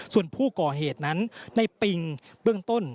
ส่วนผู้ก่อเหตุนั้นในปิงเบื้องต้น